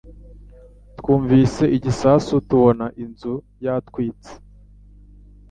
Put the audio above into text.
Twumvise igisasu tubona inzu yatwitse